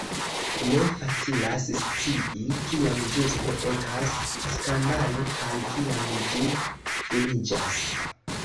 Ne facilas scii, kiam ĝuste ekas skandalo, kaj kiam ĝi finiĝas.